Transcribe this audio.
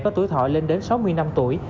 có tuổi thọ lên đến sáu mươi năm tuổi